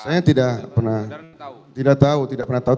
saya tidak pernah tidak tahu tidak pernah tahu